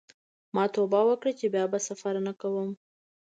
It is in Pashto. ما توبه وکړه چې بیا به سفر نه کوم.